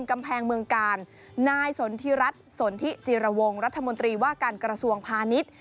กำแพงเมืองกาลนายสนทิรัฐสนทิจิรวงรัฐมนตรีว่าการกระทรวงพาณิชย์